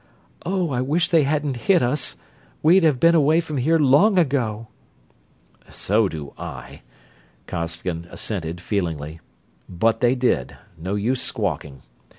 "Oh, I wish they hadn't hit us we'd have been away from here long ago." "So do I," Costigan assented, feelingly. "But they did no use squawking.